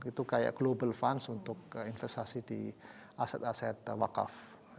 itu kayak global fund untuk investasi di aset aset wakaf